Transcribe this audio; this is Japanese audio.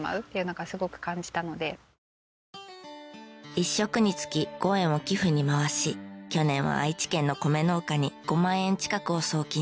１食につき５円を寄付に回し去年は愛知県の米農家に５万円近くを送金しました。